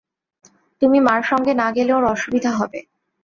তুমি মার সঙ্গে না গেলে ওঁর অসুবিধা হবে।